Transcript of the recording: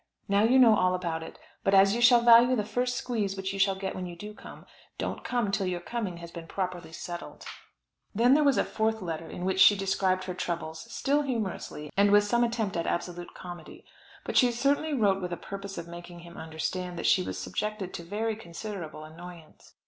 Now you know all about it; but as you shall value the first squeeze which you shall get when you do come, don't come till your coming has been properly settled. Then there was a fourth letter in which she described her troubles, still humorously, and with some attempt at absolute comedy. But she certainly wrote with a purpose of making him understand that she was subjected to very considerable annoyance.